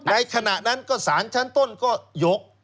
ในขณะนั้นก็สารชั้นต้นก็ยก